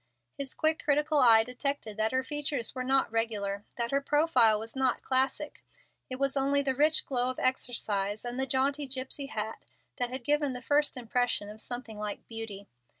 His quick, critical eye detected that her features were not regular, that her profile was not classic. It was only the rich glow of exercise and the jaunty gypsy hat that had given the first impression of something like beauty.